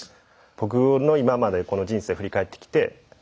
僕の今までこの人生振り返ってきて